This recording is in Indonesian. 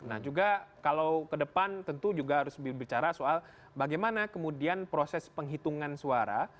nah juga kalau ke depan tentu juga harus bicara soal bagaimana kemudian proses penghitungan suara